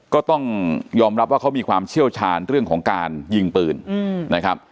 ก็ต้องยอมรับว่าเขามีความเชี่ยวชาญเรื่องของการยิงปืนนะครับ